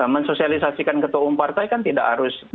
mensosialisasikan ketua umum partai kan tidak harus